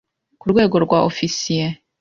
ku rwego rwa Ofisiye